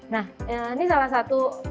nah ini salah satu